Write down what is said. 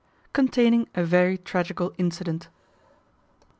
Containing a very tragical incident.